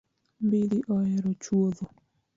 Mbidhi oero chuodho .